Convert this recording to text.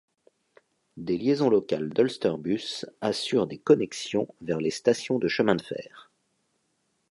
Des liaisons locales d'Ulsterbus assurent des connexions vers les stations de chemin de fer.